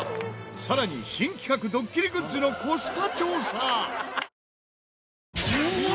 更に新企画ドッキリグッズのコスパ調査！